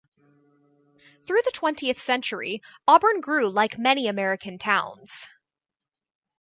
Through the twentieth century Auburn grew like many American towns.